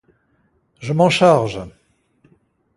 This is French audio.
Je m’en charge !…